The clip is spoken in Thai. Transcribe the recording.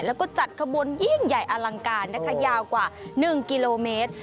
แล้วก็จัดขบวนยิ่งใหญ่อลังการนะคะยาวกว่า๑กิโลเมตร